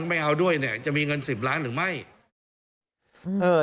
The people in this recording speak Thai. ไม่เอาด้วยจะมีเงิน๑๐ล้านบาทหรือไม่